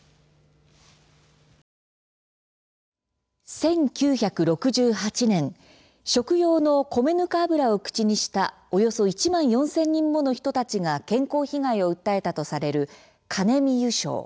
１９６８年食用の米ぬか油を口にしたおよそ１万４０００人もの人たちが健康被害を訴えたとされるカネミ油症。